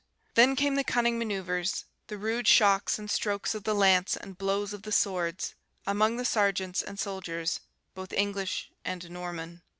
Then came the cunning manoeuvres, the rude shocks and strokes of the lance and blows of the swords, among the sergeants and soldiers, both English and Norman.